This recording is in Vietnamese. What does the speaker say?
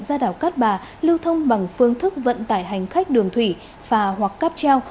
ra đảo cát bà lưu thông bằng phương thức vận tải hành khách đường thủy phà hoặc cáp treo